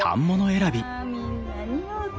あみんな似合うて。